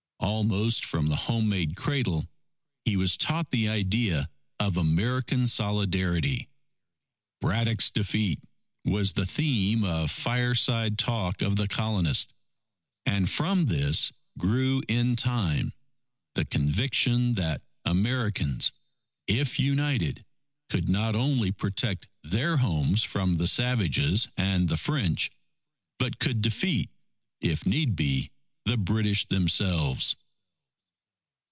Almost from the home made cradle, he was taught the idea of American solidarity. Braddock's defeat was the theme of fireside talk of the Colonists, and from this grew in time the conviction that Americans, if united, could not only protect their homes from the savages and the French, but could defeat, if need be, the British themselves.